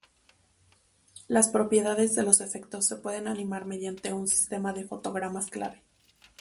Las propiedades de los efectos se pueden animar mediante un sistema de fotogramas clave.